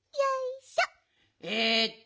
えっと